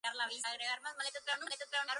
Afortunadamente, esto ocurre muy raras veces.